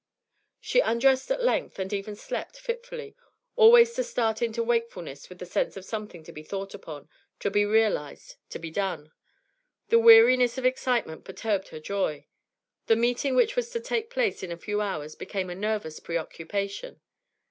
She undressed at length, and even slept, fitfully, always to start into wakefulness with a sense of something to be thought upon, to be realised, to be done. The weariness of excitement perturbed her joy; the meeting which was to take place in a few hours became a nervous preoccupation.